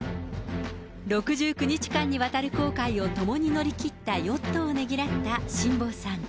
６９日間にわたる航海を共に乗り切ったヨットをねぎらった辛坊さん。